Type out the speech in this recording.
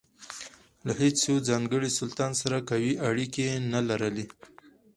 له هیڅ یوه ځانګړي سلطان سره قوي اړیکې نه لرلې.